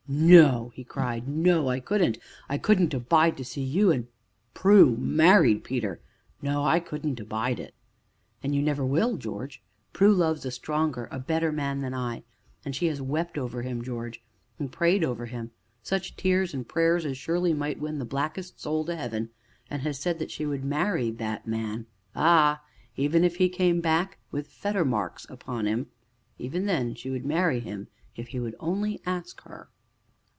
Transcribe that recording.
"No," he cried. "No I couldn't I couldn't abide to see you an' Prue married, Peter no, I couldn't abide it." "And you never will, George. Prue loves a stronger, a better man than I. And she has wept over him, George, and prayed over him, such tears and prayers as surely might win the blackest soul to heaven, and has said that she would marry that man ah! even if he came back with fetter marks upon him even then she would marry him if he would only ask her."